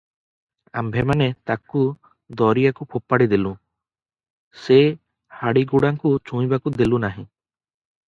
ଆମ୍ଭେମାନେ ତାକୁ ଦରିଆକୁ ଫୋପାଡ଼ିଦେଲୁଁ, ସେ ହାଡ଼ିଗୁଡ଼ାଙ୍କୁ ଛୁଇଁବାକୁ ଦେଲୁନାହିଁ ।